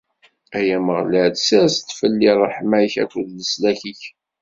Ay Ameɣlal, ssers-d fell-i ṛṛeḥma-k akked leslak-ik.